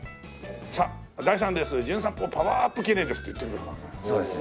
さあ第３レース「じゅん散歩パワーアップ記念」ですって言ってくれるかな？